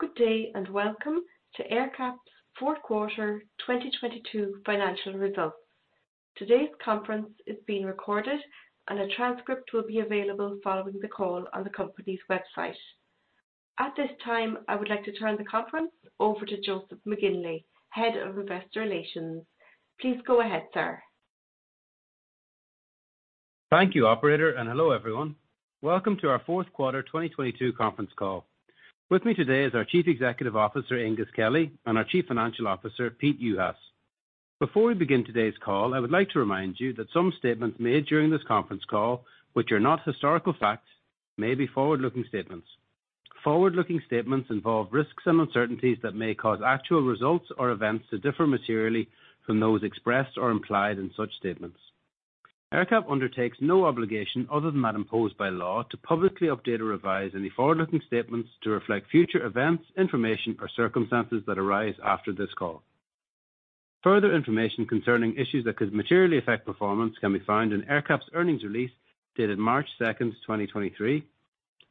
Good day, and welcome to AerCap's fourth quarter, 2022 financial results. Today's conference is being recorded, and a transcript will be available following the call on the company's website. At this time, I would like to turn the conference over to Joseph McGinley, Head of Investor Relations. Please go ahead, sir. Thank you, operator. Hello, everyone. Welcome to our fourth quarter 2022 conference call. With me today is our Chief Executive Officer, Aengus Kelly, and our Chief Financial Officer, Pete Juhas. Before we begin today's call, I would like to remind you that some statements made during this conference call, which are not historical facts, may be forward-looking statements. Forward-looking statements involve risks and uncertainties that may cause actual results or events to differ materially from those expressed or implied in such statements. AerCap undertakes no obligation other than that imposed by law to publicly update or revise any forward-looking statements to reflect future events, information, or circumstances that arise after this call. Further information concerning issues that could materially affect performance can be found in AerCap's earnings release dated March 2nd, 2023.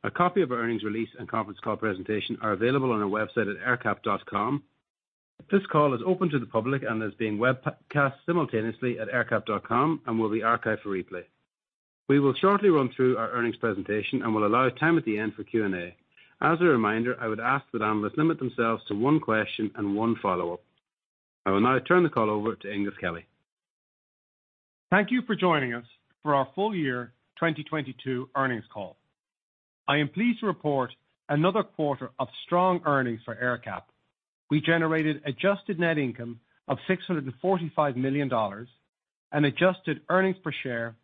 A copy of our earnings release and conference call presentation are available on our website at aercap.com. This call is open to the public and is being webcast simultaneously at aercap.com and will be archived for replay. We will shortly run through our earnings presentation and will allow time at the end for Q&A. As a reminder, I would ask that analysts limit themselves to one question and one follow-up. I will now turn the call over to Aengus Kelly. Thank you for joining us for our full year 2022 earnings call. I am pleased to report another quarter of strong earnings for AerCap. We generated adjusted net income of $645 million and adjusted earnings per share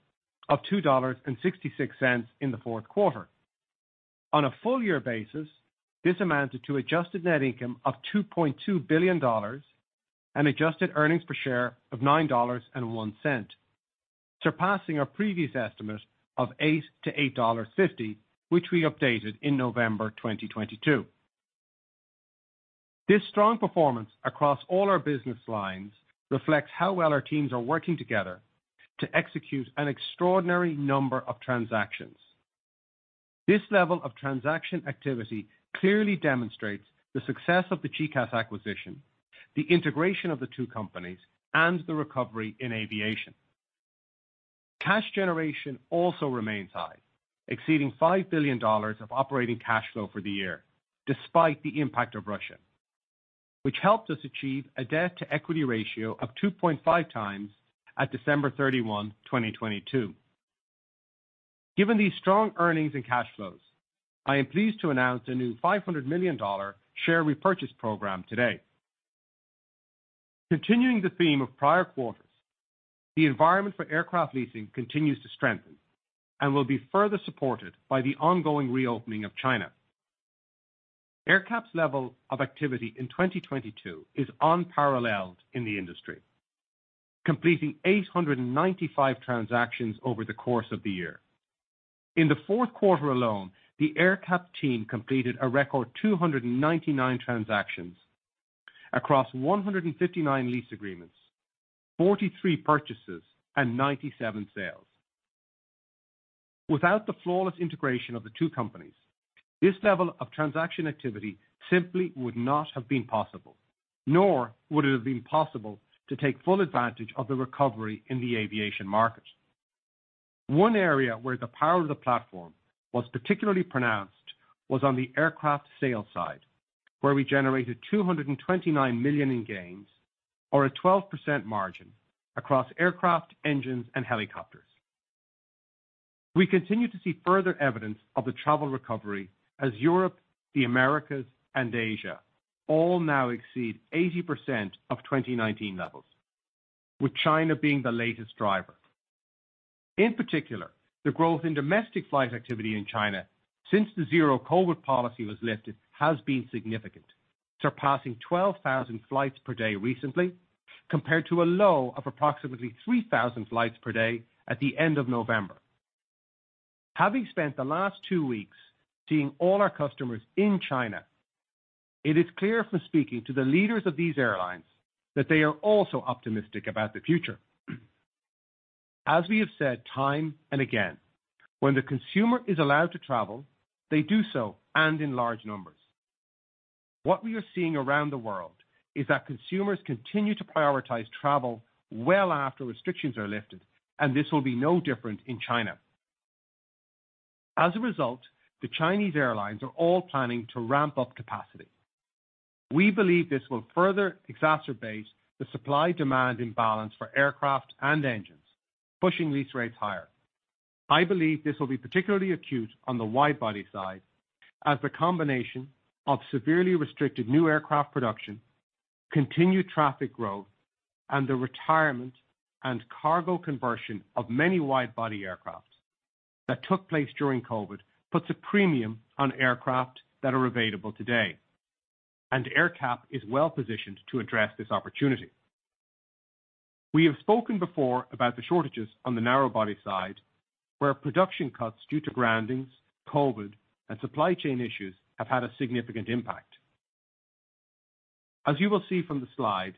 of $2.66 in the fourth quarter. On a full year basis, this amounted to adjusted net income of $2.2 billion and adjusted earnings per share of $9.01, surpassing our previous estimate of $8-$8.50, which we updated in November 2022. This strong performance across all our business lines reflects how well our teams are working together to execute an extraordinary number of transactions. This level of transaction activity clearly demonstrates the success of the GECAS acquisition, the integration of the two companies, and the recovery in aviation. Cash generation also remains high, exceeding $5 billion of operating cash flow for the year, despite the impact of Russia, which helped us achieve a debt-to-equity ratio of 2.5x December 31, 2022. Given these strong earnings and cash flows, I am pleased to announce a new $500 million share repurchase program today. Continuing the theme of prior quarters, the environment for aircraft leasing continues to strengthen and will be further supported by the ongoing reopening of China. AerCap's level of activity in 2022 is unparalleled in the industry, completing 895 transactions over the course of the year. In the fourth quarter alone, the AerCap team completed a record 299 transactions across 159 lease agreements, 43 purchases, and 97 sales. Without the flawless integration of the two companies, this level of transaction activity simply would not have been possible, nor would it have been possible to take full advantage of the recovery in the aviation market. One area where the power of the platform was particularly pronounced was on the aircraft sales side, where we generated $229 million in gains or a 12% margin across aircraft, engines, and helicopters. We continue to see further evidence of the travel recovery as Europe, the Americas, and Asia all now exceed 80% of 2019 levels, with China being the latest driver. In particular, the growth in domestic flight activity in China since the zero-COVID policy was lifted has been significant, surpassing 12,000 flights per day recently, compared to a low of approximately 3,000 flights per day at the end of November. Having spent the last two weeks seeing all our customers in China, it is clear from speaking to the leaders of these airlines that they are also optimistic about the future. As we have said time and again, when the consumer is allowed to travel, they do so and in large numbers. What we are seeing around the world is that consumers continue to prioritize travel well after restrictions are lifted, and this will be no different in China. As a result, the Chinese airlines are all planning to ramp up capacity. We believe this will further exacerbate the supply-demand imbalance for aircraft and engines, pushing lease rates higher. I believe this will be particularly acute on the wide-body side as the combination of severely restricted new aircraft production, continued traffic growth, and the retirement and cargo conversion of many wide-body aircraft that took place during COVID puts a premium on aircraft that are available today. AerCap is well-positioned to address this opportunity. We have spoken before about the shortages on the narrow-body side, where production cuts due to groundings, COVID, and supply chain issues have had a significant impact. As you will see from the slide,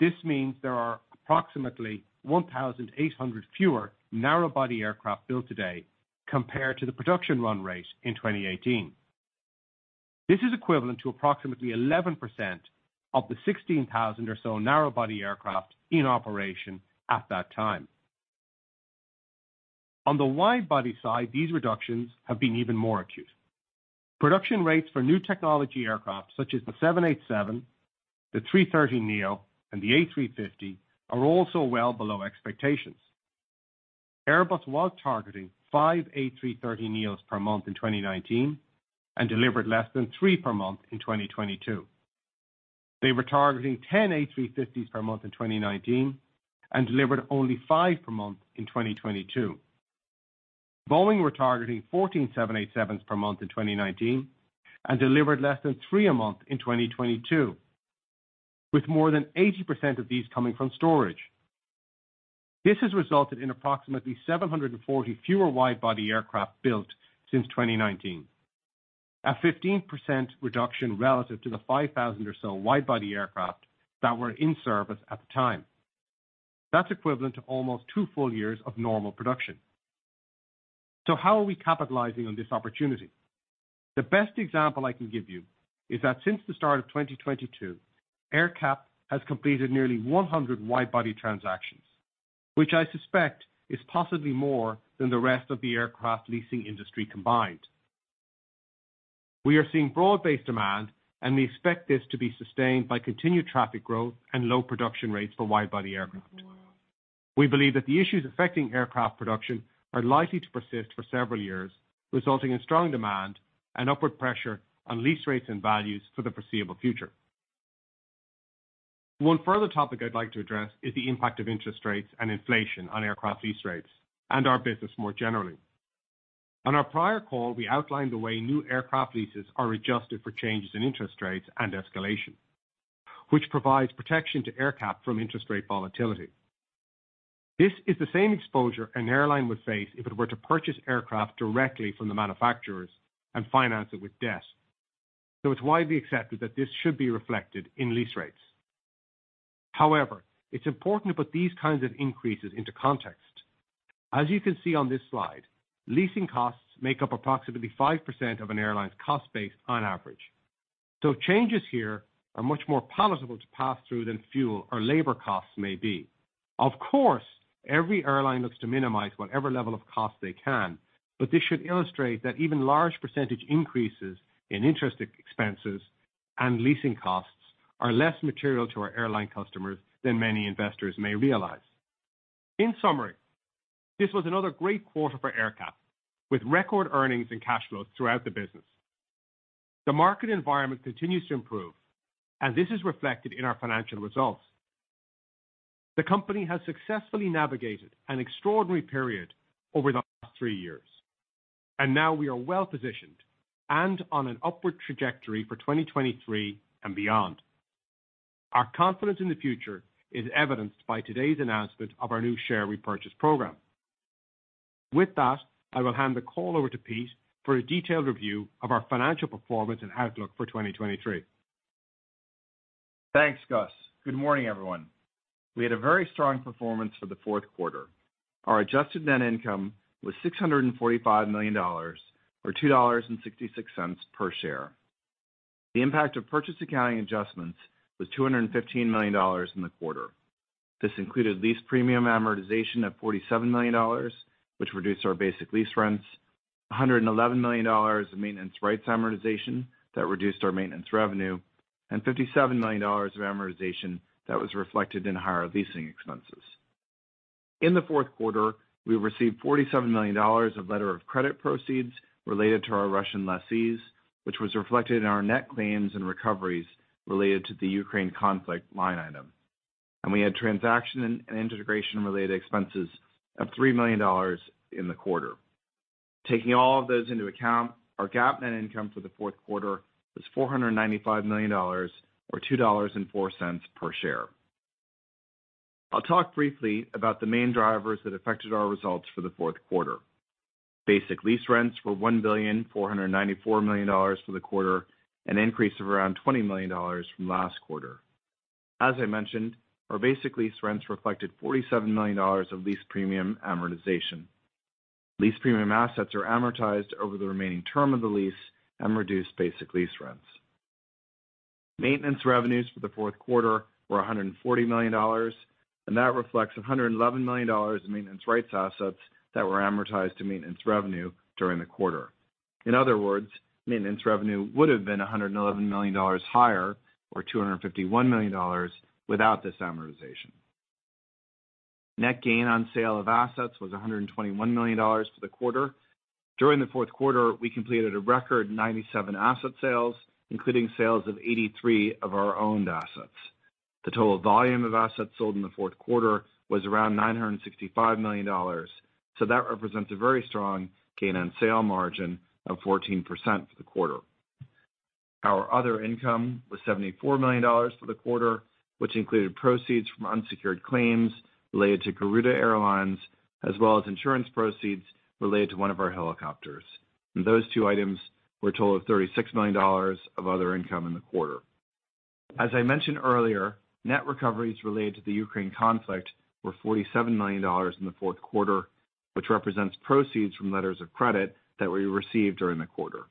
this means there are approximately 1,800 fewer narrow body aircraft built today compared to the production run rate in 2018. This is equivalent to approximately 11% of the 16,000 or so narrow body aircraft in operation at that time. On the wide body side, these reductions have been even more acute. Production rates for new technology aircraft such as the 787, the A330neo, and the A350 are also well below expectations. Airbus was targeting five A330neos per month in 2019, and delivered less than three per month in 2022. They were targeting 10 A350s per month in 2019, and delivered only five per month in 2022. Boeing were targeting 14 787s per month in 2019, and delivered less than three a month in 2022, with more than 80% of these coming from storage. This has resulted in approximately 740 fewer wide-body aircraft built since 2019. A 15% reduction relative to the 5,000 or so wide-body aircraft that were in service at the time. That's equivalent to almost two full years of normal production. How are we capitalizing on this opportunity? The best example I can give you is that since the start of 2022, AerCap has completed nearly 100 wide body transactions, which I suspect is possibly more than the rest of the aircraft leasing industry combined. We are seeing broad-based demand, we expect this to be sustained by continued traffic growth and low production rates for wide body aircraft. We believe that the issues affecting aircraft production are likely to persist for several years, resulting in strong demand and upward pressure on lease rates and values for the foreseeable future. One further topic I'd like to address is the impact of interest rates and inflation on aircraft lease rates and our business more generally. On our prior call, we outlined the way new aircraft leases are adjusted for changes in interest rates and escalation, which provides protection to AerCap from interest rate volatility. This is the same exposure an airline would face if it were to purchase aircraft directly from the manufacturers and finance it with debt. It's widely accepted that this should be reflected in lease rates. However, it's important to put these kinds of increases into context. As you can see on this slide, leasing costs make up approximately 5% of an airline's cost base on average. Changes here are much more palatable to pass through than fuel or labor costs may be. Of course, every airline looks to minimize whatever level of cost they can, but this should illustrate that even large percentage increases in interest ex-expenses and leasing costs are less material to our airline customers than many investors may realize. In summary, this was another great quarter for AerCap, with record earnings and cash flows throughout the business. The market environment continues to improve. This is reflected in our financial results. The company has successfully navigated an extraordinary period over the last three years. Now we are well-positioned and on an upward trajectory for 2023 and beyond. Our confidence in the future is evidenced by today's announcement of our new share repurchase program. With that, I will hand the call over to Pete for a detailed review of our financial performance and outlook for 2023. Thanks, Gus. Good morning, everyone. We had a very strong performance for the fourth quarter. Our adjusted net income was $645 million or $2.66 per share. The impact of purchase accounting adjustments was $215 million in the quarter. This included lease premium amortization of $47 million, which reduced our basic lease rents, $111 million of maintenance rights amortization that reduced our maintenance revenue, and $57 million of amortization that was reflected in higher leasing expenses. In the fourth quarter, we received $47 million of letter of credit proceeds related to our Russian lessees, which was reflected in our net claims and recoveries related to the Ukraine conflict line item. We had transaction and integration-related expenses of $3 million in the quarter. Taking all of those into account, our GAAP net income for the fourth quarter was $495 million or $2.04 per share. I'll talk briefly about the main drivers that affected our results for the fourth quarter. Basic lease rents were $1,494 million for the quarter, an increase of around $20 million from last quarter. As I mentioned, our basic lease rents reflected $47 million of lease premium amortization. Lease premium assets are amortized over the remaining term of the lease and reduce basic lease rents. Maintenance revenues for the fourth quarter were $140 million, that reflects $111 million in maintenance rights assets that were amortized to maintenance revenue during the quarter. In other words, maintenance revenue would have been $111 million higher or $251 million without this amortization. Net gain on sale of assets was $121 million for the quarter. During the fourth quarter, we completed a record 97 asset sales, including sales of 83 of our owned assets. The total volume of assets sold in the fourth quarter was around $965 million, that represents a very strong gain on sale margin of 14% for the quarter. Our other income was $74 million for the quarter, which included proceeds from unsecured claims related to Garuda Indonesia, as well as insurance proceeds related to one of our helicopters. Those two items were a total of $36 million of other income in the quarter. As I mentioned earlier, net recoveries related to the Ukraine conflict were $47 million in the fourth quarter, which represents proceeds from letters of credit that we received during the quarter.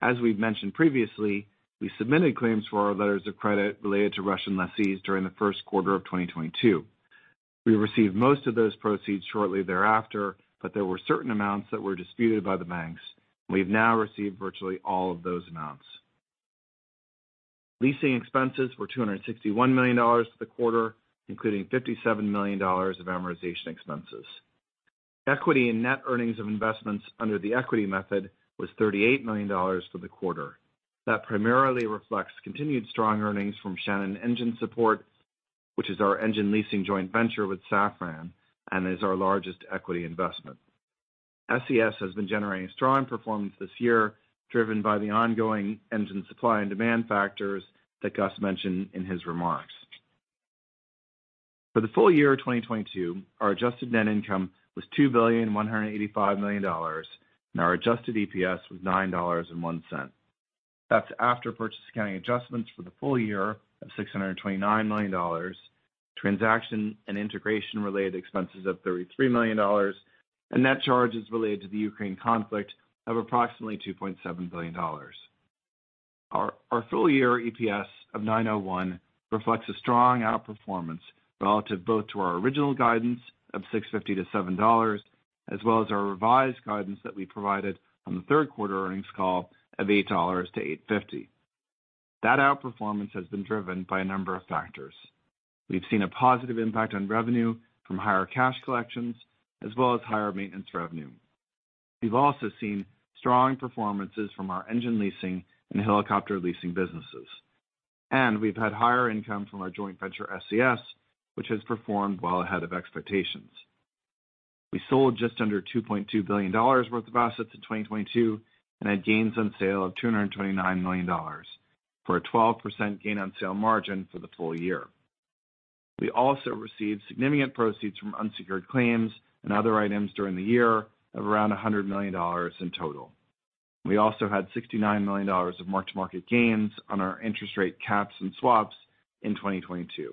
As we've mentioned previously, we submitted claims for our letters of credit related to Russian lessees during the first quarter of 2022. We received most of those proceeds shortly thereafter, but there were certain amounts that were disputed by the banks. We've now received virtually all of those amounts. Leasing expenses were $261 million for the quarter, including $57 million of amortization expenses. Equity and net earnings of investments under the equity method was $38 million for the quarter. That primarily reflects continued strong earnings from Shannon Engine Support, which is our engine leasing joint venture with Safran and is our largest equity investment. SES has been generating strong performance this year, driven by the ongoing engine supply and demand factors that Gus mentioned in his remarks. For the full year of 2022, our adjusted net income was $2.185 billion, and our adjusted EPS was $9.01. That's after purchase accounting adjustments for the full year of $629 million, transaction and integration-related expenses of $33 million, and net charges related to the Ukraine conflict of approximately $2.7 billion. Our full year EPS of $9.01 reflects a strong outperformance relative both to our original guidance of $6.50-$7.00, as well as our revised guidance that we provided on the third quarter earnings call of $8.00-$8.50. That outperformance has been driven by a number of factors. We've seen a positive impact on revenue from higher cash collections as well as higher maintenance revenue. We've also seen strong performances from our engine leasing and helicopter leasing businesses, and we've had higher income from our joint venture SES, which has performed well ahead of expectations. We sold just under $2.2 billion worth of assets in 2022, and had gains on sale of $229 million for a 12% gain on sale margin for the full year. We also received significant proceeds from unsecured claims and other items during the year of around $100 million in total. We also had $69 million of mark-to-market gains on our interest rate caps and swaps in 2022.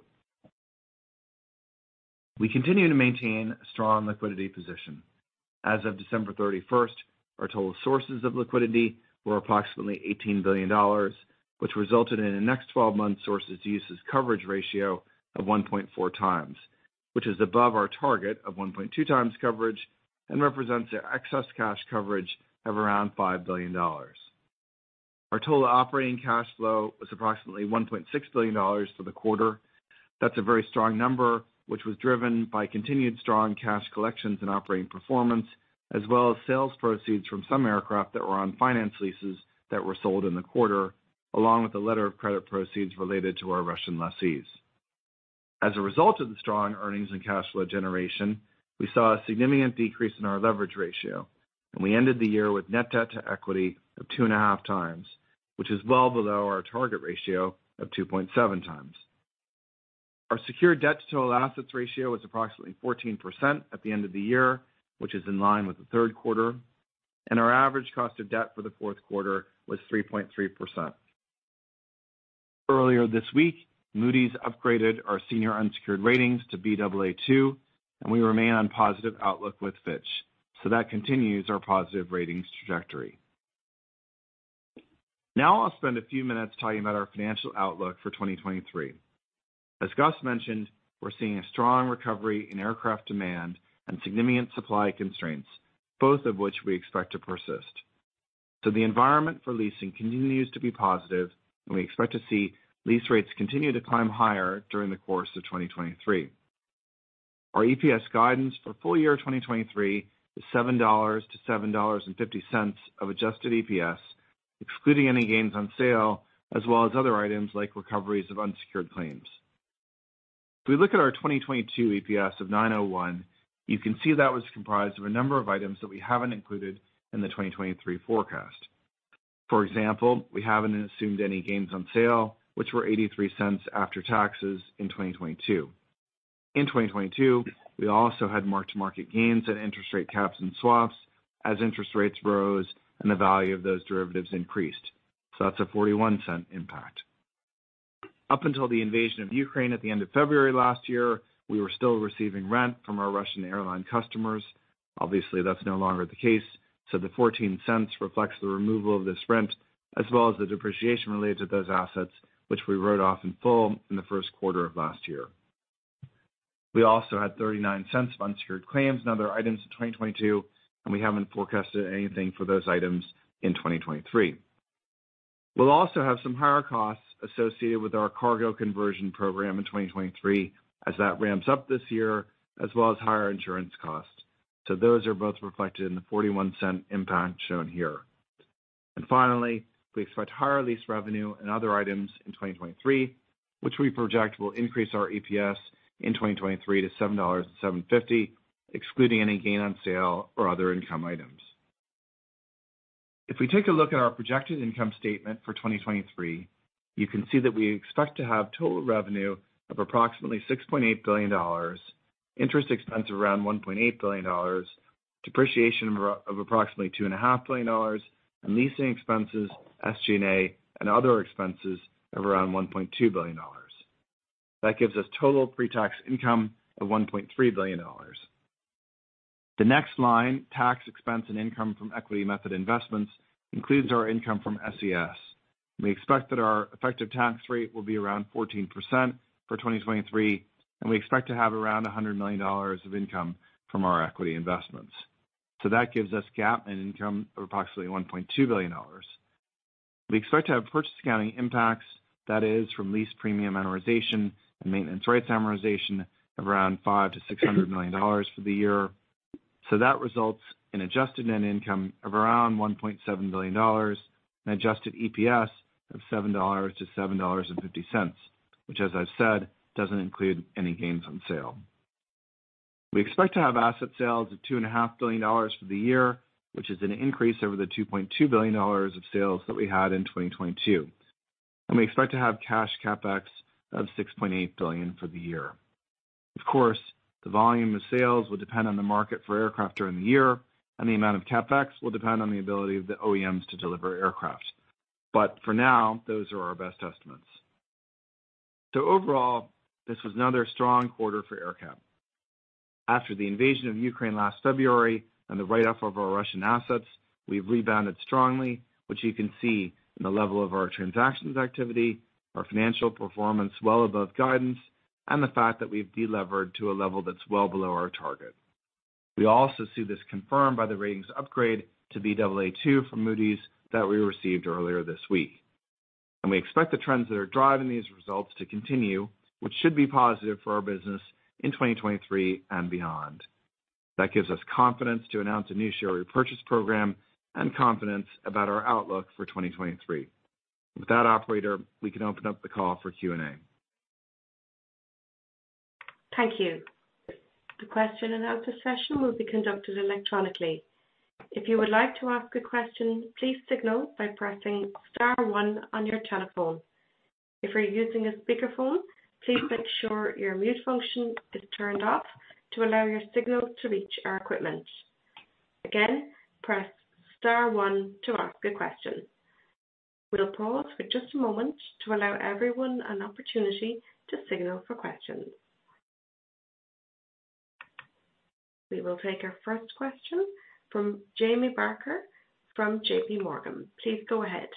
We continue to maintain a strong liquidity position. As of December 31st, our total sources of liquidity were approximately $18 billion, which resulted in a next 12-month sources to uses coverage ratio of 1.4x, which is above our target of 1.2x coverage and represents an excess cash coverage of around $5 billion. Our total operating cash flow was approximately $1.6 billion for the quarter. That's a very strong number, which was driven by continued strong cash collections and operating performance, as well as sales proceeds from some aircraft that were on finance leases that were sold in the quarter, along with the letter of credit proceeds related to our Russian lessees. As a result of the strong earnings and cash flow generation, we saw a significant decrease in our leverage ratio. We ended the year with net debt to equity of 2.5x, which is well below our target ratio of 2.7x. Our secure debt to total assets ratio was approximately 14% at the end of the year, which is in line with the third quarter. Our average cost of debt for the fourth quarter was 3.3%. Earlier this week, Moody's upgraded our senior unsecured ratings to Baa2. We remain on positive outlook with Fitch. That continues our positive ratings trajectory. Now I'll spend a few minutes telling you about our financial outlook for 2023. As Gus mentioned, we're seeing a strong recovery in aircraft demand and significant supply constraints, both of which we expect to persist. The environment for leasing continues to be positive, and we expect to see lease rates continue to climb higher during the course of 2023. Our EPS guidance for full year 2023 is $7.00-$7.50 of adjusted EPS, excluding any gains on sale, as well as other items like recoveries of unsecured claims. If we look at our 2022 EPS of $9.01, you can see that was comprised of a number of items that we haven't included in the 2023 forecast. For example, we haven't assumed any gains on sale, which were $0.83 after taxes in 2022. In 2022, we also had mark-to-market gains and interest rate caps and swaps as interest rates rose and the value of those derivatives increased. That's a $0.41 impact. Up until the invasion of Ukraine at the end of February last year, we were still receiving rent from our Russian airline customers. Obviously, that's no longer the case. The $0.14 reflects the removal of this rent, as well as the depreciation related to those assets, which we wrote off in full in the first quarter of last year. We also had $0.39 of unsecured claims and other items in 2022. We haven't forecasted anything for those items in 2023. We'll also have some higher costs associated with our cargo conversion program in 2023 as that ramps up this year, as well as higher insurance costs. Those are both reflected in the $0.41 impact shown here. Finally, we expect higher lease revenue and other items in 2023, which we project will increase our EPS in 2023 to $7.00-$7.50, excluding any gain on sale or other income items. If we take a look at our projected income statement for 2023, you can see that we expect to have total revenue of approximately $6.8 billion, interest expense around $1.8 billion, depreciation of approximately $2.5 billion, and leasing expenses, SG&A, and other expenses of around $1.2 billion. That gives us total pre-tax income of $1.3 billion. The next line, tax expense and income from equity method investments, includes our income from SES. We expect that our effective tax rate will be around 14% for 2023, and we expect to have around $100 million of income from our equity investments. That gives us GAAP net income of approximately $1.2 billion. We expect to have purchase accounting impacts, that is, from lease premium amortization and maintenance rights amortization of around $500 million-$600 million for the year. That results in adjusted net income of around $1.7 billion and adjusted EPS of $7.00-$7.50, which as I've said, doesn't include any gains on sale. We expect to have asset sales of two and a half billion dollars for the year, which is an increase over the $2.2 billion of sales that we had in 2022. We expect to have cash CapEx of $6.8 billion for the year. Of course, the volume of sales will depend on the market for aircraft during the year, and the amount of CapEx will depend on the ability of the OEMs to deliver aircraft. For now, those are our best estimates. Overall, this was another strong quarter for AerCap. After the invasion of Ukraine last February and the write-off of our Russian assets, we've rebounded strongly, which you can see in the level of our transactions activity, our financial performance well above guidance, and the fact that we've delevered to a level that's well below our target. We also see this confirmed by the ratings upgrade to Baa2 from Moody's that we received earlier this week. We expect the trends that are driving these results to continue, which should be positive for our business in 2023 and beyond. That gives us confidence to announce a new share repurchase program and confidence about our outlook for 2023. With that operator, we can open up the call for Q&A. Thank you. The question and answer session will be conducted electronically. If you would like to ask a question, please signal by pressing star one on your telephone. If you're using a speakerphone, please make sure your mute function is turned off to allow your signal to reach our equipment. Again, press star one to ask a question. We'll pause for just a moment to allow everyone an opportunity to signal for questions. We will take our first question from Jamie Baker from JPMorgan Chase & Co. Please go ahead.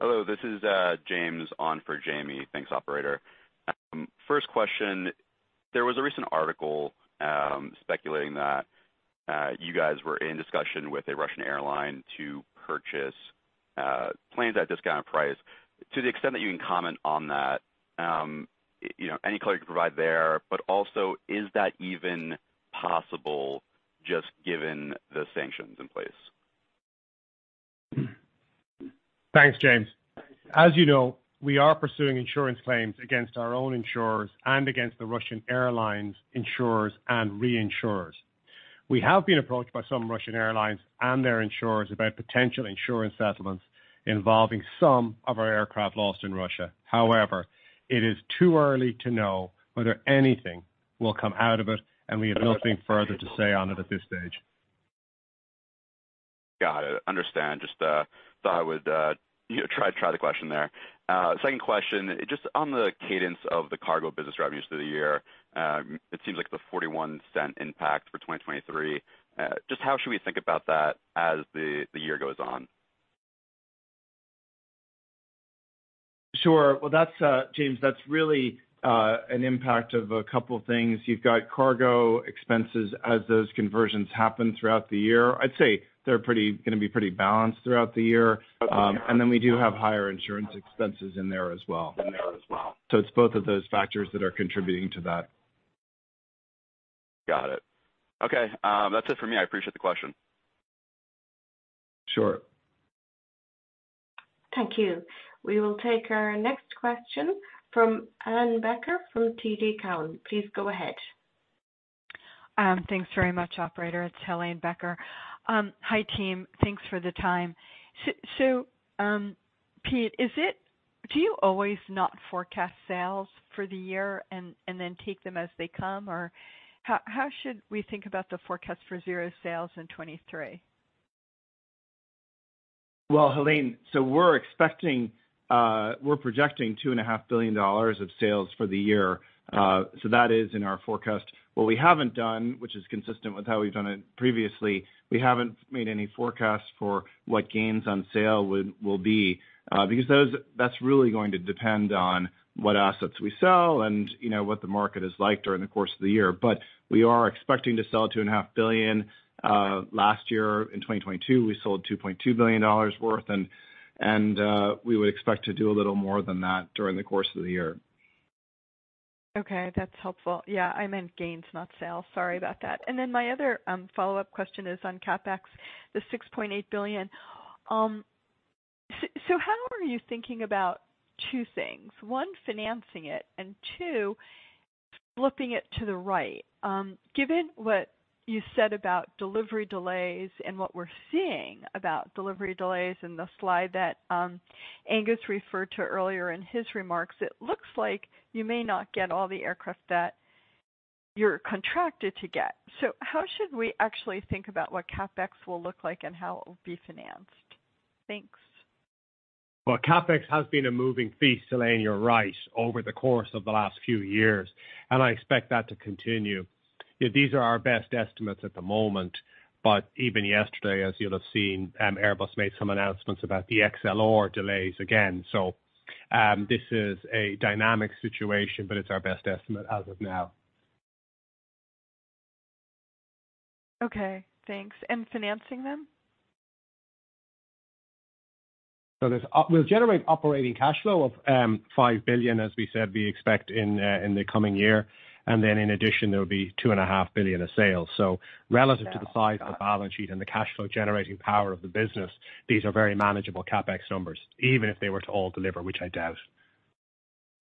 Hello, this is James on for Jamie. Thanks, operator. First question. There was a recent article speculating that you guys were in discussion with a Russian airline to purchase planes at discount price. To the extent that you can comment on that, you know, any color you can provide there, but also is that even possible just given the sanctions in place? Thanks, James. As you know, we are pursuing insurance claims against our own insurers and against the Russian airlines insurers and reinsurers. We have been approached by some Russian airlines and their insurers about potential insurance settlements involving some of our aircraft lost in Russia. However, it is too early to know whether anything will come out of it, and we have nothing further to say on it at this stage. Got it. Understand. Just thought I would try the question there. Second question, just on the cadence of the cargo business revenues through the year, it seems like the $0.41 impact for 2023, just how should we think about that as the year goes on? Sure. Well, that's, James, that's really an impact of a couple things. You've got cargo expenses as those conversions happen throughout the year. I'd say they're pretty, gonna be pretty balanced throughout the year. We do have higher insurance expenses in there as well. It's both of those factors that are contributing to that. Got it. Okay, that's it for me. I appreciate the question. Sure. Thank you. We will take our next question from Helane Becker from TD Cowen. Please go ahead. Thanks very much, operator. It's Helane Becker. Hi, team. Thanks for the time. Pete, do you always not forecast sales for the year and then take them as they come? Or how should we think about the forecast for zero sales in 2023? Well, Helane, we're expecting, we're projecting $2.5 billion of sales for the year. That is in our forecast. What we haven't done, which is consistent with how we've done it previously, we haven't made any forecasts for what gains on sale will be, because that's really going to depend on what assets we sell and, you know, what the market is like during the course of the year. We are expecting to sell $2.5 billion. Last year, in 2022, we sold $2.2 billion worth and we would expect to do a little more than that during the course of the year. Okay, that's helpful. Yeah, I meant gains, not sales. Sorry about that. My other follow-up question is on CapEx, the $6.8 billion. How are you thinking about two things: one, financing it, and two, flipping it to the right. Given what you said about delivery delays and what we're seeing about delivery delays and the slide that Aengus referred to earlier in his remarks, it looks like you may not get all the aircraft that you're contracted to get. How should we actually think about what CapEx will look like and how it will be financed? Thanks. CapEx has been a moving feast, Helane, you're right, over the course of the last few years, and I expect that to continue. These are our best estimates at the moment, but even yesterday, as you'll have seen, Airbus made some announcements about the A321XLR delays again. This is a dynamic situation, but it's our best estimate as of now. Okay, thanks. Financing them? we'll generate operating cash flow of $5 billion, as we said we expect in the coming year. In addition, there will be $2.5 billion of sales. Relative to the size of the balance sheet and the cash flow generating power of the business, these are very manageable CapEx numbers, even if they were to all deliver, which I doubt.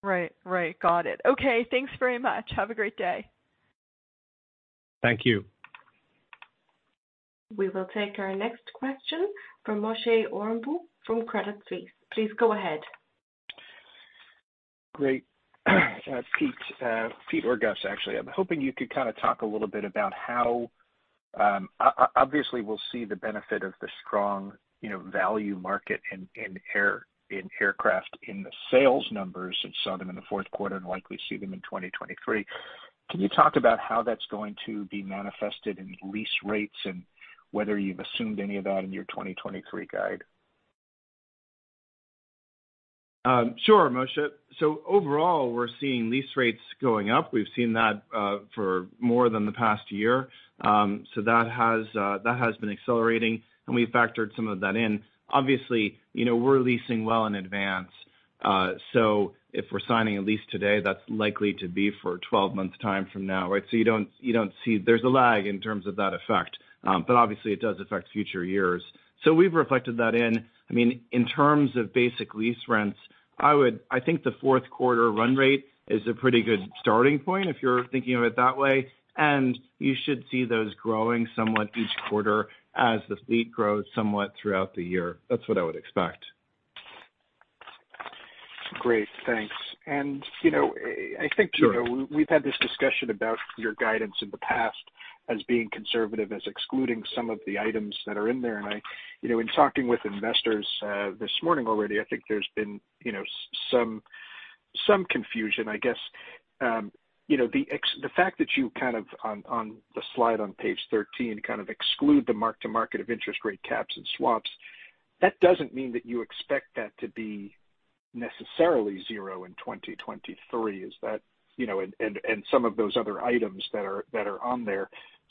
Right. Got it. Okay, thanks very much. Have a great day. Thank you. We will take our next question from Moshe Orenbuch from Credit Suisse. Please go ahead. Great. Pete or Gus, actually, I'm hoping you could kinda talk a little bit about how. Obviously, we'll see the benefit of the strong, you know, value market in aircraft in the sales numbers. We saw them in the fourth quarter and likely see them in 2023. Can you talk about how that's going to be manifested in lease rates and whether you've assumed any of that in your 2023 guide? Sure, Moshe. Overall, we're seeing lease rates going up. We've seen that for more than the past year. That has been accelerating, and we've factored some of that in. Obviously, you know, we're leasing well in advance. If we're signing a lease today, that's likely to be for 12 months time from now, right? You don't see there's a lag in terms of that effect, but obviously it does affect future years. We've reflected that in. I mean, in terms of basic lease rents, I think the fourth quarter run rate is a pretty good starting point if you're thinking of it that way, and you should see those growing somewhat each quarter as the fleet grows somewhat throughout the year. That's what I would expect. Great, thanks. You know, I think we've had this discussion about your guidance in the past as being conservative, as excluding some of the items that are in there. I, you know, in talking with investors, this morning already, I think there's been, you know, some confusion, I guess. You know, the fact that you kind of on the slide on page 13, kind of exclude the mark-to-market of interest rate caps and swaps, that doesn't mean that you expect that to be necessarily zero in 2023. Is that, you know, and some of those other items that are, that are on there,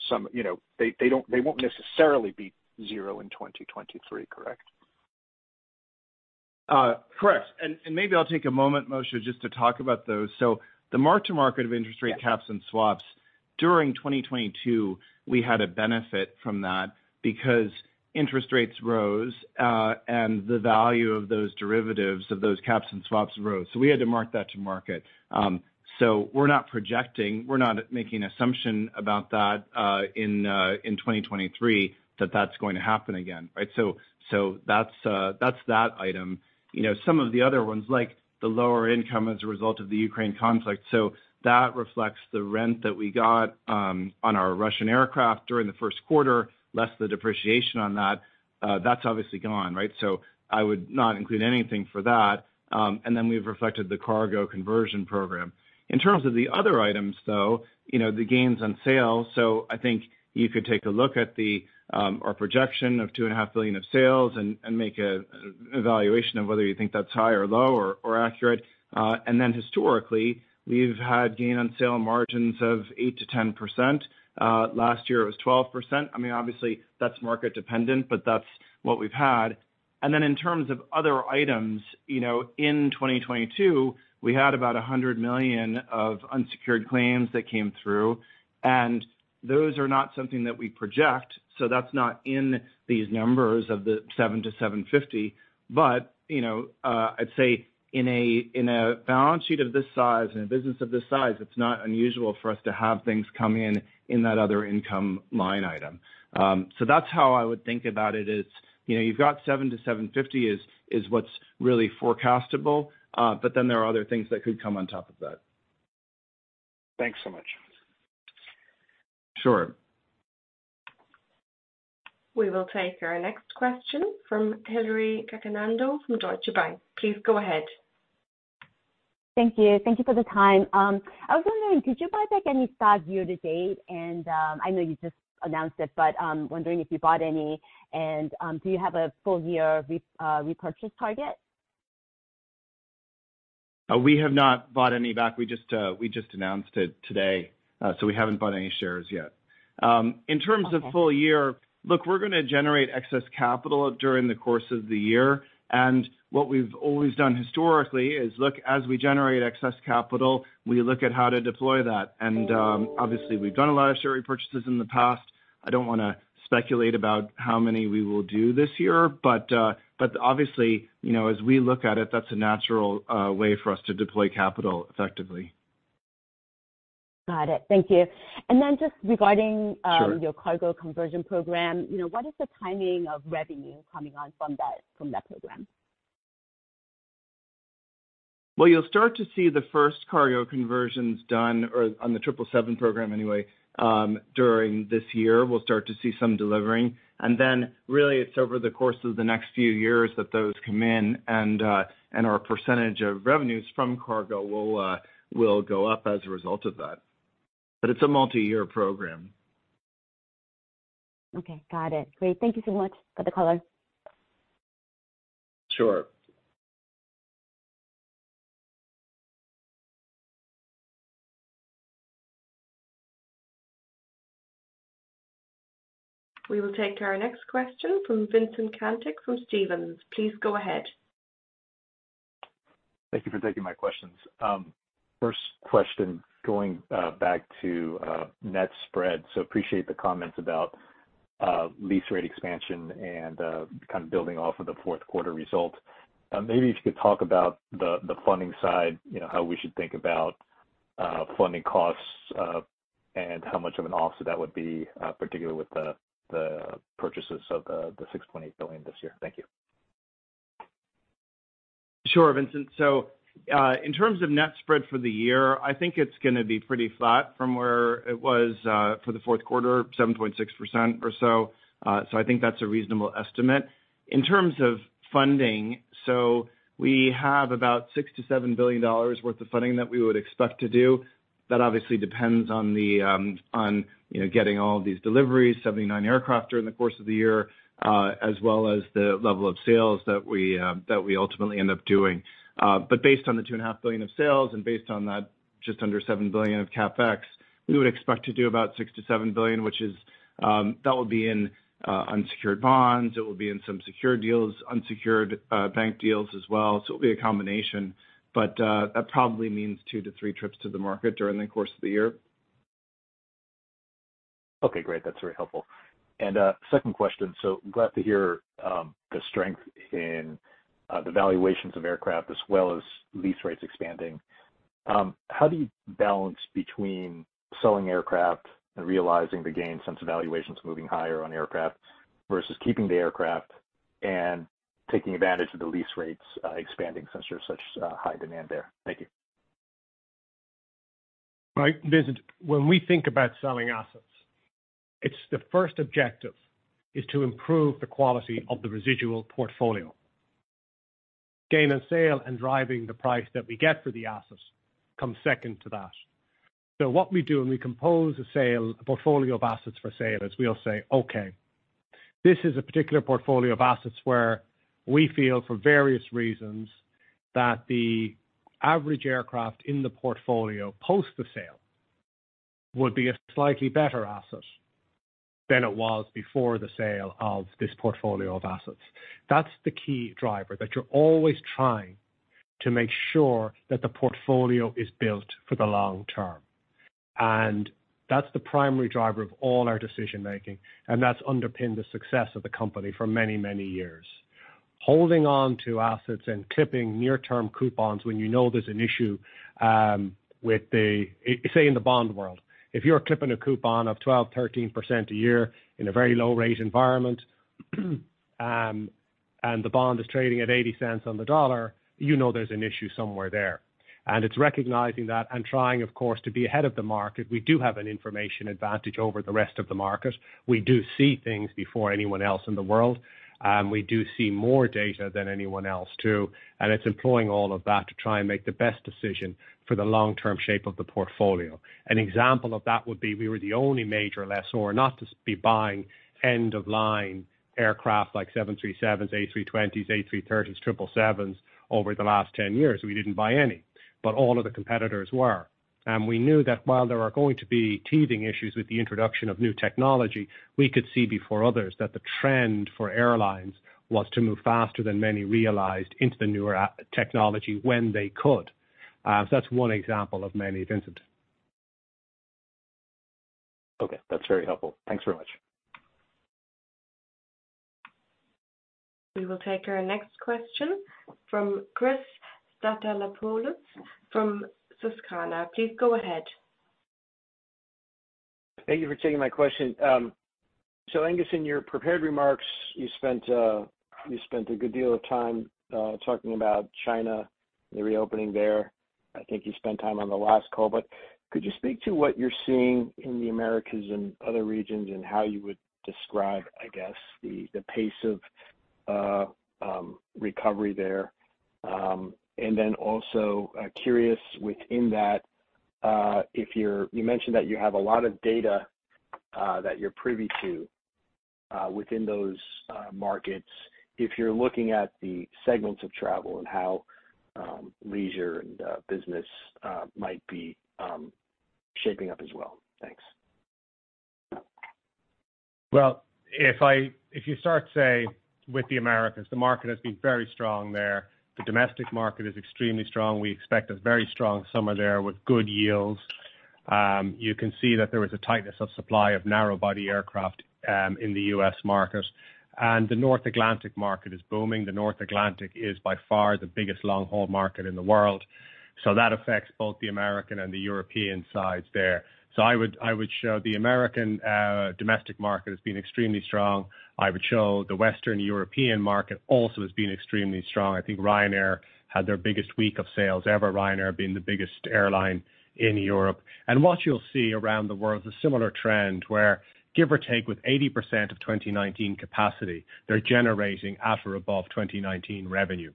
some, you know, they don't, they won't necessarily be zero in 2023, correct? Correct. Maybe I'll take a moment, Moshe, just to talk about those. The mark-to-market of interest rate caps and swaps, during 2022, we had a benefit from that because interest rates rose, and the value of those derivatives, of those caps and swaps rose. We had to mark that to market. We're not projecting, we're not making assumption about that in 2023 that that's going to happen again, right? That's that item. You know, some of the other ones, like the lower income as a result of the Ukraine conflict. That reflects the rent that we got on our Russian aircraft during the first quarter, less the depreciation on that. That's obviously gone, right? I would not include anything for that. Then we've reflected the cargo conversion program. In terms of the other items, though, you know, the gains on sales. I think you could take a look at our projection of $2.5 billion of sales and make an evaluation of whether you think that's high or low or accurate. Historically, we've had gain on sale margins of 8%-10%. Last year it was 12%. I mean, obviously, that's market dependent, but that's what we've had. In terms of other items, you know, in 2022, we had about $100 million of unsecured claims that came through, and those are not something that we project. That's not in these numbers of the $7-$7.50. You know, I'd say in a, in a balance sheet of this size, in a business of this size, it's not unusual for us to have things come in in that other income line item. That's how I would think about it is, you know, you've got $7-$750 is what's r.eally forecastable, but then there are other things that could come on top of that. Thanks so much. Sure. We will take our next question from Hillary Cacanando from Deutsche Bank. Please go ahead. Thank you. Thank you for the time. I was wondering, did you buy back any stock year to date? I know you just announced it, but wondering if you bought any. Do you have a full year repurchase target? We have not bought any back. We just announced it today. We haven't bought any shares yet. In terms of full year, look, we're gonna generate excess capital during the course of the year. What we've always done historically is look, as we generate excess capital, we look at how to deploy that. Obviously we've done a lot of share repurchases in the past. I don't wanna speculate about how many we will do this year, but obviously, you know, as we look at it, that's a natural way for us to deploy capital effectively. Got it. Thank you. just regarding your cargo conversion program, you know, what is the timing of revenue coming on from that program? You'll start to see the first cargo conversions done, or on the 777 program anyway, during this year, we'll start to see some delivering. Really it's over the course of the next few years that those come in and our percentage of revenues from cargo will go up as a result of that. It's a multi-year program. Okay. Got it. Great. Thank you so much for the color. Sure. We will take our next question from Vincent Caintic from Stephens. Please go ahead. Thank you for taking my questions. First question, going back to net spread. Appreciate the comments about lease rate expansion and kind of building off of the fourth quarter result. Maybe if you could talk about the funding side, you know, how we should think about funding costs and how much of an offset that would be, particularly with the purchases of the $6.8 billion this year. Thank you. Sure, Vincent. In terms of net spread for the year, I think it's gonna be pretty flat from where it was for the fourth quarter, 7.6% or so. I think that's a reasonable estimate. In terms of funding, we have about $6 billion-$7 billion worth of funding that we would expect to do. That obviously depends on the, on, you know, getting all of these deliveries, 79 aircraft during the course of the year, as well as the level of sales that we ultimately end up doing. Based on the $2.5 billion of sales and based on that just under $7 billion of CapEx, we would expect to do about $6 billion-$7 billion, which is, that would be in unsecured bonds, it would be in some secured deals, unsecured bank deals as well, so it'll be a combination. That probably means two to three trips to the market during the course of the year. Okay, great. That's very helpful. Second question. Glad to hear the strength in the valuations of aircraft as well as lease rates expanding. How do you balance between selling aircraft and realizing the gain since valuation's moving higher on aircraft versus keeping the aircraft and taking advantage of the lease rates expanding since you're such high demand there? Thank you. Right. Vincent, when we think about selling assets, it's the first objective is to improve the quality of the residual portfolio. Gain and sale and driving the price that we get for the assets comes second to that. What we do when we compose a sale, a portfolio of assets for sale, is we'll say, okay, this is a particular portfolio of assets where we feel for various reasons that the average aircraft in the portfolio, post the sale, would be a slightly better asset than it was before the sale of this portfolio of assets. That's the key driver, that you're always trying to make sure that the portfolio is built for the long term. That's the primary driver of all our decision making, and that's underpinned the success of the company for many, many years. Holding on to assets and clipping near term coupons when you know there's an issue with the... Say in the bond world, if you're clipping a coupon of 12%, 13% a year in a very low rate environment, and the bond is trading at $0.80 on the dollar, you know there's an issue somewhere there. It's recognizing that and trying, of course, to be ahead of the market. We do have an information advantage over the rest of the market. We do see things before anyone else in the world. We do see more data than anyone else too, and it's employing all of that to try and make the best decision for the long-term shape of the portfolio. An example of that would be we were the only major lessor not to be buying end of line aircraft like 737s, A320s, A330s, 777s over the last 10 years. We didn't buy any, but all of the competitors were. We knew that while there are going to be teething issues with the introduction of new technology, we could see before others that the trend for airlines was to move faster than many realized into the newer technology when they could. So that's one example of many, Vincent. Okay, that's very helpful. Thanks very much. We will take our next question from Chris Stathoulopoulos from Susquehanna. Please go ahead. Thank you for taking my question. Aengus, in your prepared remarks, you spent a good deal of time talking about China, the reopening there. I think you spent time on the last call, but could you speak to what you're seeing in the Americas and other regions and how you would describe, I guess, the pace of recovery there? Then also curious within that, if you mentioned that you have a lot of data that you're privy to within those markets. If you're looking at the segments of travel and how leisure and business might be shaping up as well. Thanks. Well, if you start, say, with the Americas, the market has been very strong there. The domestic market is extremely strong. We expect a very strong summer there with good yields. You can see that there was a tightness of supply of narrow body aircraft in the U.S. market. The North Atlantic market is booming. The North Atlantic is by far the biggest long-haul market in the world. That affects both the American and the European sides there. I would show the American domestic market has been extremely strong. I would show the Western European market also has been extremely strong. I think Ryanair had their biggest week of sales ever, Ryanair being the biggest airline in Europe. What you'll see around the world is a similar trend where give or take, with 80% of 2019 capacity, they're generating at or above 2019 revenue.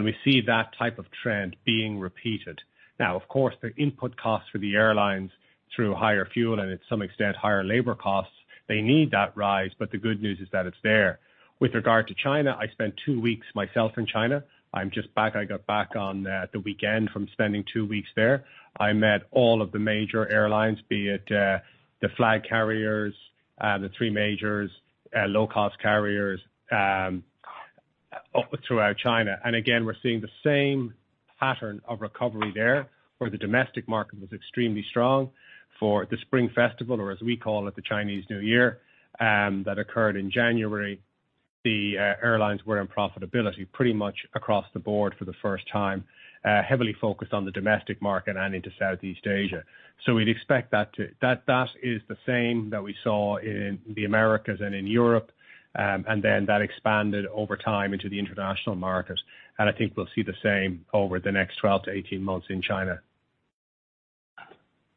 We see that type of trend being repeated. Of course, the input costs for the airlines through higher fuel and to some extent higher labor costs, they need that rise. The good news is that it's there. With regard to China, I spent two weeks myself in China. I'm just back. I got back on the weekend from spending two weeks there. I met all of the major airlines, be it the flag carriers, the three majors, low-cost carriers throughout China. Again, we're seeing the same pattern of recovery there, where the domestic market was extremely strong for the Spring Festival or as we call it, the Chinese New Year, that occurred in January. The airlines were in profitability pretty much across the board for the first time, heavily focused on the domestic market and into Southeast Asia. We'd expect that that is the same that we saw in the Americas and in Europe. Then that expanded over time into the international market. I think we'll see the same over the next 12 to 18 months in China.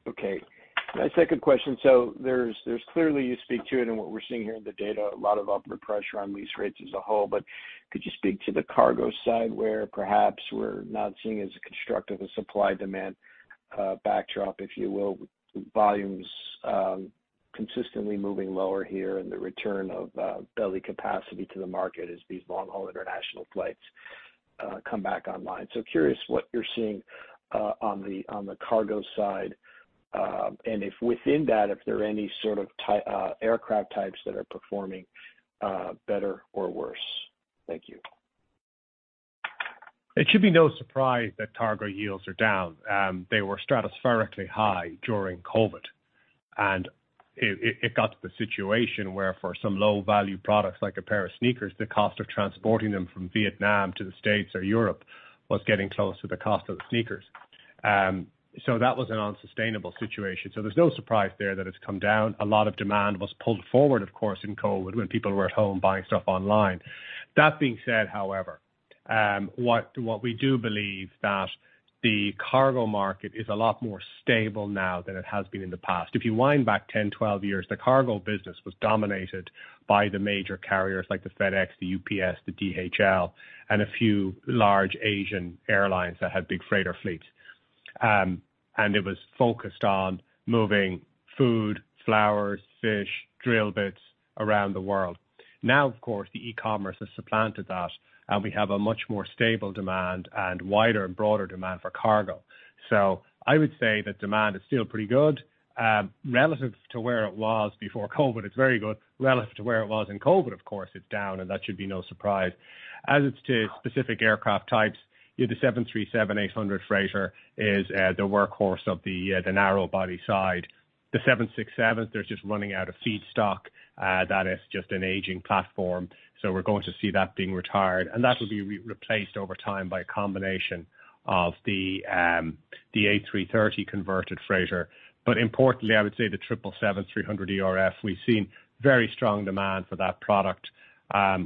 Okay. My second question, there's clearly you speak to it and what we're seeing here in the data, a lot of upward pressure on lease rates as a whole. Could you speak to the cargo side where perhaps we're not seeing as constructive a supply demand backdrop, if you will, with volumes consistently moving lower here and the return of belly capacity to the market as these long-haul international flights come back online. Curious what you're seeing on the cargo side, and if within that, if there are any sort of aircraft types that are performing better or worse. Thank you. It should be no surprise that cargo yields are down. They were stratospherically high during COVID, and it got to the situation where for some low-value products, like a pair of sneakers, the cost of transporting them from Vietnam to the States or Europe was getting close to the cost of the sneakers. That was an unsustainable situation. There's no surprise there that it's come down. A lot of demand was pulled forward, of course, in COVID when people were at home buying stuff online. That being said, however, what we do believe that the cargo market is a lot more stable now than it has been in the past. If you wind back 10, 12 years, the cargo business was dominated by the major carriers like the FedEx, the UPS, the DHL, and a few large Asian airlines that had big freighter fleets. It was focused on moving food, flowers, fish, drill bits around the world. Now, of course, the e-commerce has supplanted that, and we have a much more stable demand and wider and broader demand for cargo. I would say that demand is still pretty good. Relative to where it was before COVID, it's very good. Relative to where it was in COVID, of course, it's down, and that should be no surprise. It's to specific aircraft types, you know, the 737-800 freighter is the workhorse of the narrow body side. The 767s, they're just running out of feedstock. That is just an aging platform, so we're going to see that being retired. That will be re-replaced over time by a combination of the A330 converted freighter. Importantly, I would say the triple seven three hundred ERF, we've seen very strong demand for that product.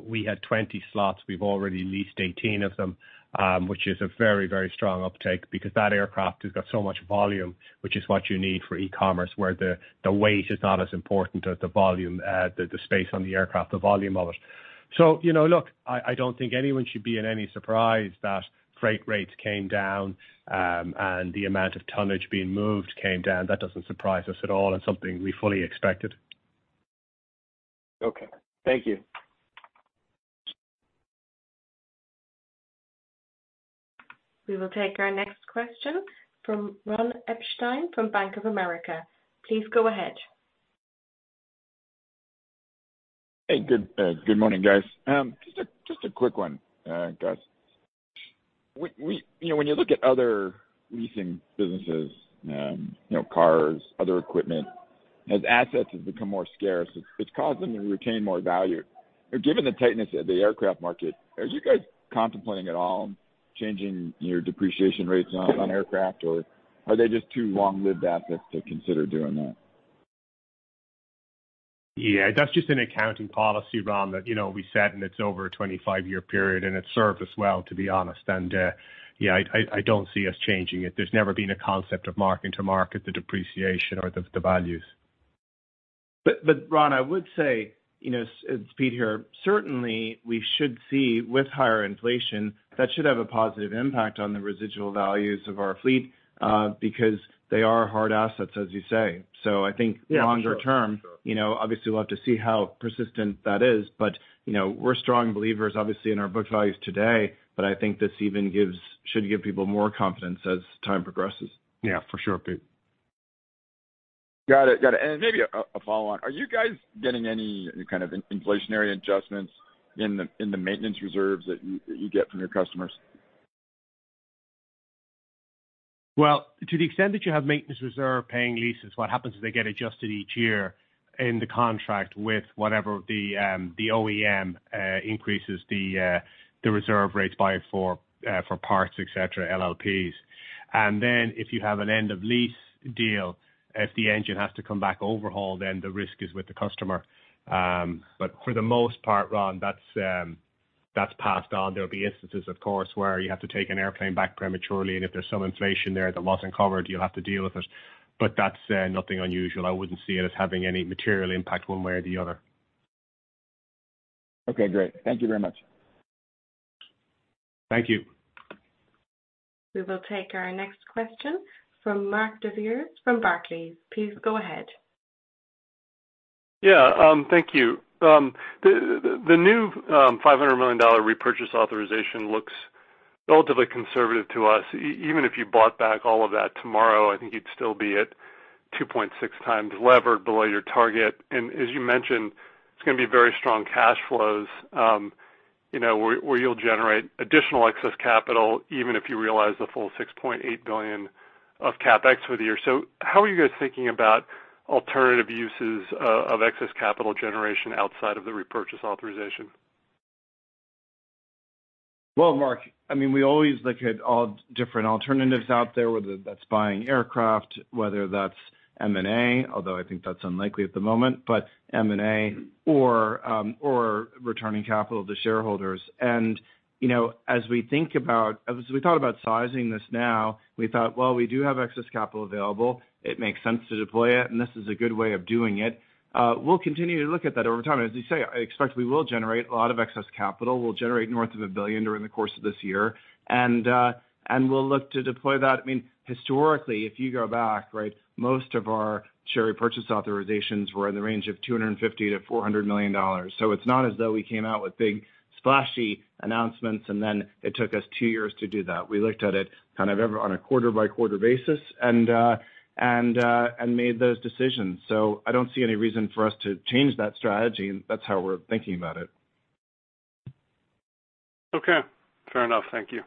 We had 20 slots. We've already leased 18 of them, which is a very, very strong uptake because that aircraft has got so much volume, which is what you need for e-commerce, where the weight is not as important as the volume, the space on the aircraft, the volume of it. You know, look, I don't think anyone should be in any surprise that freight rates came down, and the amount of tonnage being moved came down. That doesn't surprise us at all, and something we fully expected. Okay. Thank you. We will take our next question from Ron Epstein from Bank of America Corporation. Please go ahead. Hey, good morning, guys. Just a quick one, guys. We, you know, when you look at other leasing businesses, you know, cars, other equipment, as assets have become more scarce, it's causing them to retain more value. Given the tightness of the aircraft market, are you guys contemplating at all changing your depreciation rates on aircraft, or are they just too long-lived assets to consider doing that? Yeah, that's just an accounting policy, Ron, that, you know, we set, and it's over a 25-year period, and it's served us well, to be honest. Yeah, I don't see us changing it. There's never been a concept of marking to market the depreciation or the values. Ron, I would say, you know, it's Pete here. Certainly, we should see with higher inflation, that should have a positive impact on the residual values of our fleet, because they are hard assets, as you say. I think, longer term, you know, obviously, we'll have to see how persistent that is. You know, we're strong believers, obviously, in our book values today, but I think this even should give people more confidence as time progresses. Yeah, for sure, Pete. Got it. Got it. Maybe a follow on. Are you guys getting any kind of inflationary adjustments in the maintenance reserves that you get from your customers? Well, to the extent that you have maintenance reserve paying leases, what happens is they get adjusted each year in the contract with whatever the OEM increases the reserve rates by for parts, et cetera, LLPs. If you have an end of lease deal, if the engine has to come back overhaul, then the risk is with the customer. For the most part, Ron, that's passed on. There'll be instances, of course, where you have to take an airplane back prematurely, and if there's some inflation there that wasn't covered, you'll have to deal with it. That's nothing unusual. I wouldn't see it as having any material impact one way or the other. Okay, great. Thank you very much. Thank you. We will take our next question from Mark DeVries from Barclays. Please go ahead. Yeah, thank you. The new $500 million repurchase authorization looks relatively conservative to us. Even if you bought back all of that tomorrow, I think you'd still be at 2.6x levered below your target. As you mentioned, it's gonna be very strong cash flows, you know, where you'll generate additional excess capital even if you realize the full $6.8 billion of CapEx for the year. How are you guys thinking about alternative uses of excess capital generation outside of the repurchase authorization? Well, Mark, I mean, we always look at all different alternatives out there, whether that's buying aircraft, whether that's M&A, although I think that's unlikely at the moment, but M&A or returning capital to shareholders. You know, as we thought about sizing this now, we thought, well, we do have excess capital available. It makes sense to deploy it. This is a good way of doing it. We'll continue to look at that over time. As you say, I expect we will generate a lot of excess capital. We'll generate north of $1 billion during the course of this year. We'll look to deploy that. I mean, historically, if you go back, right, most of our share repurchase authorizations were in the range of $250 million-$400 million. It's not as though we came out with big splashy announcements, and then it took us two years to do that. We looked at it kind of every on a quarter-by-quarter basis and made those decisions. I don't see any reason for us to change that strategy. That's how we're thinking about it. Okay, fair enough. Thank you.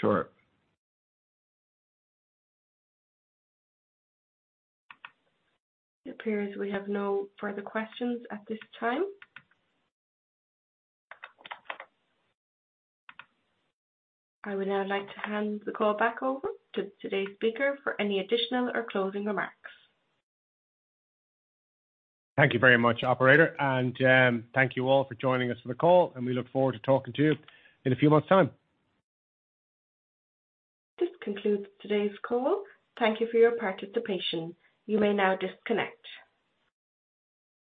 Sure. It appears we have no further questions at this time. I would now like to hand the call back over to today's speaker for any additional or closing remarks. Thank you very much, operator. Thank you all for joining us for the call, and we look forward to talking to you in a few months time. This concludes today's call. Thank you for your participation. You may now disconnect.